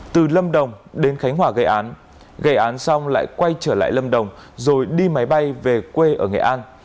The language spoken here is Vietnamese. từ lâm đồng đến khánh hòa gây án gây án xong lại quay trở lại lâm đồng rồi đi máy bay về quê ở nghệ an